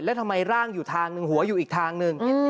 แล้วทำไมร่างอยู่ทางหนึ่งหัวอยู่อีกทางหนึ่ง